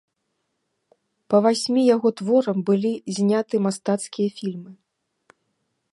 Па васьмі яго творам былі зняты мастацкія фільмы.